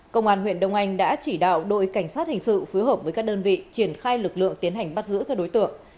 công an huyện đông anh đã chỉ đạo đội cảnh sát hình sự phối hợp với các đơn vị triển khai lực lượng tiến hành bắt giữ các đối tượng